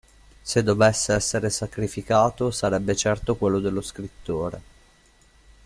Se dovesse essere sacrificato, sarebbe certo quello dello scrittore.